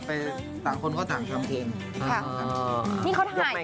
เพราะว่าใจแอบในเจ้า